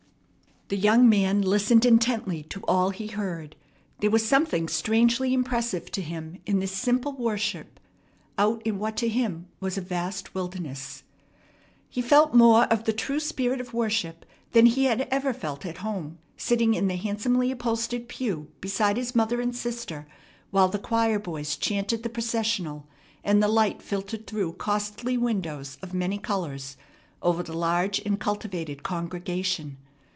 The young man listened intently to all he heard. There was something strangely impressive to him in this simple worship out in what to him was a vast wilderness. He felt more of the true spirit of worship than he had ever felt at home sitting in the handsomely upholstered pew beside his mother and sister while the choir boys chanted the processional and the light filtered through costly windows of many colors over the large and cultivated congregation.